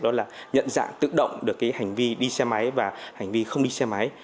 đó là nhận dạng tự động được cái hành vi đi xe máy và hành vi không đi xe máy